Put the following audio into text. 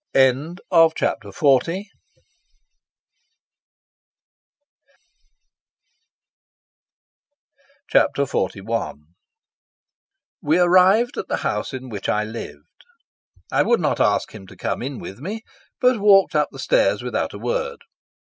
Chapter XLI We arrived at the house in which I lived. I would not ask him to come in with me, but walked up the stairs without a word.